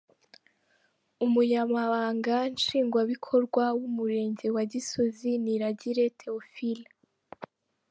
Umunyamabanga nshingwabikorwa w’ umurenge wa Gisozi Niragire Theophile.